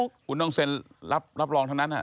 คุณต้องเซ็นรับรองทั้งนั้น